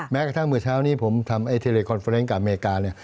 แม้กระทั่งเมื่อเช้านี้ผมทำไอเทเลคอนเฟอร์เนนต์กับอเมริกาเนี่ย